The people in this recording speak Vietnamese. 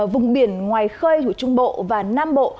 vùng biển ngoài khơi của trung bộ và nam bộ